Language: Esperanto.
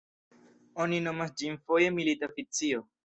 Oni nomas ĝin foje milita fikcio.